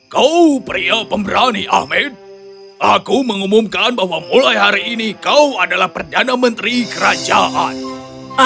kau pria pemberani ahmed aku mengumumkan bahwa mulai hari ini kau adalah perdana menteri kerajaan